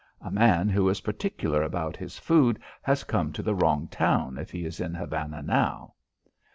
A man who is particular about his food has come to the wrong town if he is in Havana now."